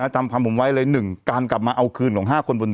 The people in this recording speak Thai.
จำความผมไว้เลย๑การกลับมาเอาคืนของ๕คนบน